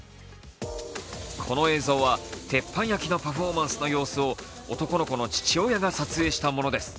この映像は鉄板焼きのパフォーマンスの様子を男の子の父親が撮影したものです。